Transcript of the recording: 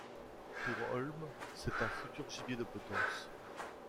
Pour Holmes, c'est un futur gibier de potence.